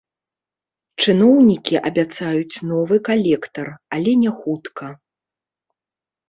Чыноўнікі абяцаюць новы калектар, але няхутка.